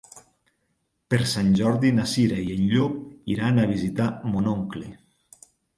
Per Sant Jordi na Cira i en Llop iran a visitar mon oncle.